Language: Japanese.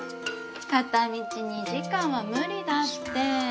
片道２時間は無理だって。